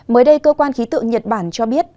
mới đây cơ quan khí tượng nhật bản cho biết